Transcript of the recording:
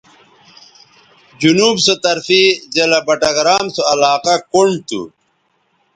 جنوب سو طرفے ضلع بٹگرام سو علاقہ کنڈ تھو